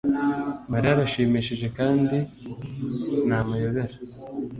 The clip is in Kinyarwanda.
Mariya arashimishije kandi ni amayobera